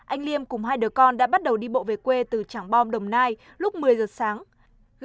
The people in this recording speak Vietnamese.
anh liêm cùng hai đứa con đã bắt đầu đi bộ về quê từ trảng bom đồng nai lúc một mươi giờ sáng